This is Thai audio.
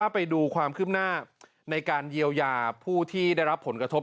ไปดูความคืบหน้าในการเยียวยาผู้ที่ได้รับผลกระทบ